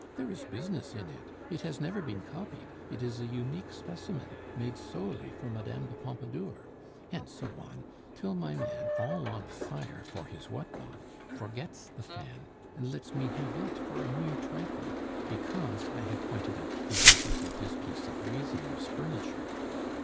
There is business in it.... It has never been copied; it is a unique specimen, made solely for Mme. de Pompadour' and so on, till my man, all on fire for his what not, forgets the fan, and lets me have it for a mere trifle, because I have pointed out the beauties of his piece of Riesener's furniture.